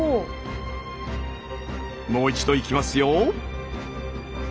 もう一度いきますよ。